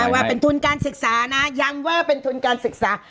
ว่าเป็นทุนการศึกษานะย้ำว่าเป็นทุนการศึกษา